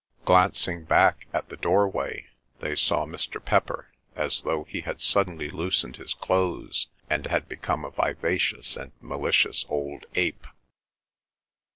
Glancing back, at the doorway, they saw Mr. Pepper as though he had suddenly loosened his clothes, and had become a vivacious and malicious old ape.